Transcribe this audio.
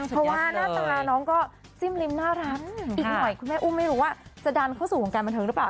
เพราะว่าหน้าตาน้องก็จิ้มลิ้มน่ารักอีกหน่อยคุณแม่อุ้มไม่รู้ว่าจะดันเข้าสู่วงการบันเทิงหรือเปล่า